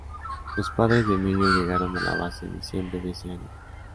Los padres de Emilio llegaron a la base en diciembre de ese año.